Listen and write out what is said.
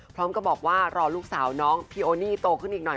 พร้อมกับบอกว่ารอลูกสาวน้องพี่โอนี่โตขึ้นอีกหน่อย